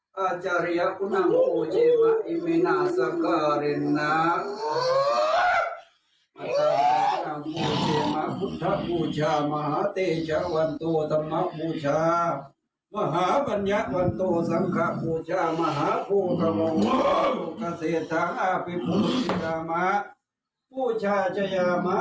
พุชาจยามาปฏิพุชาพุทพุชาสัมมาพุชาสังคาพุชาพุชา